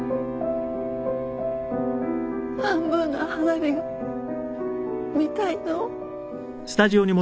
半分の花火が見たいの。